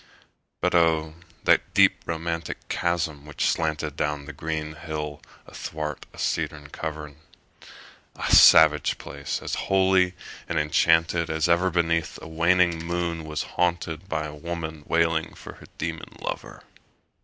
But O, that deep romantic chasm which slanted Down the green hill athwart a cedarn cover! A savage place! as holy and enchanted As e'er beneath a waning moon was haunted 15 By woman wailing for her demon lover!